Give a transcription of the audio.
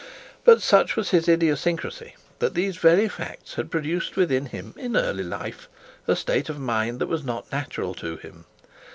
But such was his idiosyncrasy, that these very facts had produced within him, in early life, a state of mind that was not natural to him.